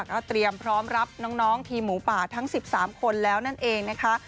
ก็เตรียมพร้อมรับน้องทีมหมูป่าทั้ง๑๓คนแล้วนั่นเองนะคะ